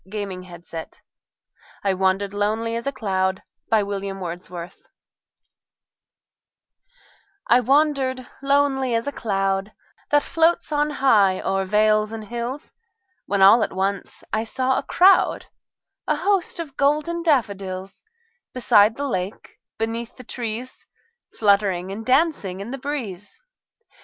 William Wordsworth I Wandered Lonely As a Cloud I WANDERED lonely as a cloud That floats on high o'er vales and hills, When all at once I saw a crowd, A host, of golden daffodils; Beside the lake, beneath the trees, Fluttering and dancing in the breeze.